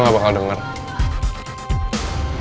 gue saktinya kok